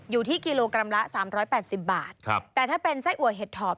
อยู่ที่กิโลกรัมละสามร้อยแปดสิบบาทครับแต่ถ้าเป็นไส้อัวเห็ดถอบ